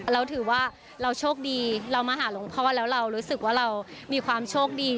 เราถือว่าเราโชคดีเรามาหาหลวงพ่อแล้วเรารู้สึกว่าเรามีความโชคดี